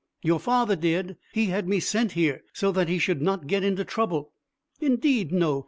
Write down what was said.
"Your father did. He had me sent here, so that he should not get into trouble." "Indeed no!